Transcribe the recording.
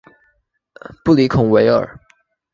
布里孔维尔。